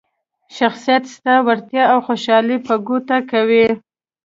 شخصیت ستا وړتیاوې او خوشحالي په ګوته کوي.